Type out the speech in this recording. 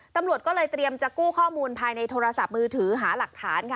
ตำรวจก็เลยเตรียมจะกู้ข้อมูลภายในโทรศัพท์มือถือหาหลักฐานค่ะ